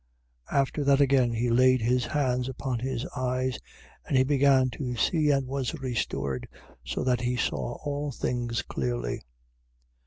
8:25. After that again he laid his hands upon his eyes: and he began to see and was restored, so that he saw all things clearly.